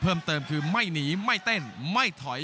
เพิ่มเติมคือไม่หนีไม่เต้นไม่ถอย